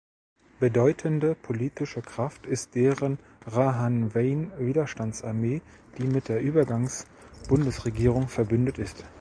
Bedeutende politische Kraft ist deren Rahanweyn-Widerstandsarmee, die mit der Übergangs-Bundesregierung verbündet ist.